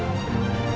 bisa jadi ma